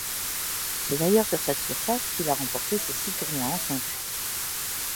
C'est d'ailleurs sur cette surface qu'il a remporté ses six tournois en simple.